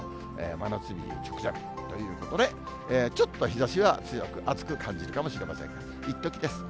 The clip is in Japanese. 真夏日直前ということで、ちょっと日ざしが強く、暑く感じるかもしれませんが、いっときです。